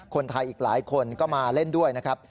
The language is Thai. คนไทยอีกหลายคนก็มาเล่นด้วยนะครับ